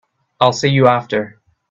I'll see you after.